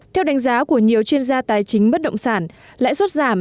theo đánh giá của nhiều chuyên gia tài chính bất động sản lãi suất giảm